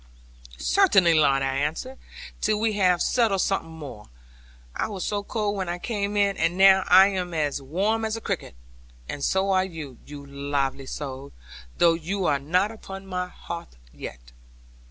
'Certainly not,' I answered, 'till we have settled something more. I was so cold when I came in; and now I am as warm as a cricket. And so are you, you lively soul; though you are not upon my hearth yet.'